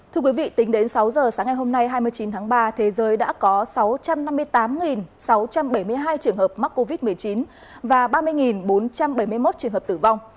thưa quý vị tính đến sáu giờ sáng ngày hôm nay hai mươi chín tháng ba thế giới đã có sáu trăm năm mươi tám sáu trăm bảy mươi hai trường hợp mắc covid một mươi chín và ba mươi bốn trăm bảy mươi một trường hợp tử vong